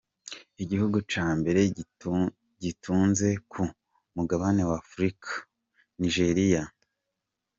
Igihugu ca mbere gitunze ku mugabane wa Afrika, Nigeria, nticateye umukono kuri ayo masezerano.